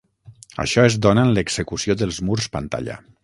Això es dóna en l'execució dels murs pantalla.